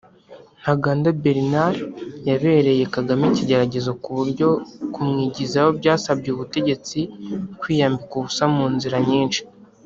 Ntaganda Bernard yabereye Kagame ikigeragezo ku buryo kumwigizayo byasabye ubutegetsi kwiyambika ubusa mu nzira nyinshi